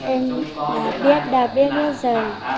em đã biết đã biết bây giờ